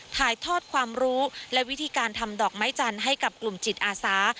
ถ่ายทอดความรู้และวิธีการทำดอกไม้จันทร์ให้กับกลุ่มจิตอาสา